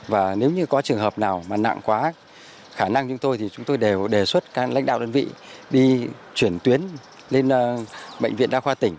và nếu như có trường hợp nào mà nặng quá khả năng chúng tôi thì chúng tôi đều đề xuất các lãnh đạo đơn vị đi chuyển tuyến lên bệnh viện đa khoa tỉnh